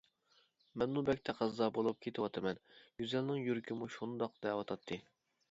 مەنمۇ بەك تەقەززا بولۇپ كېتىۋاتىمەن، گۈزەلنىڭ يۈرىكىمۇ شۇنداق دەۋاتاتتى.